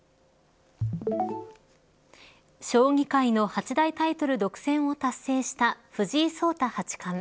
将棋界の八大タイトル独占を達成した藤井聡太八冠。